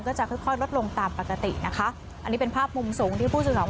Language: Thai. ก็จะค่อยรดลงตามปกตินะคะอันนี้เป็นภาพมุมสูงที่ผู้สึกหลัง